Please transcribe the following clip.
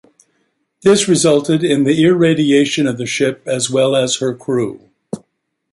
This resulted in the irradiation of the ship as well as her crew.